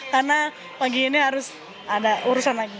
karena pagi ini harus ada urusan lagi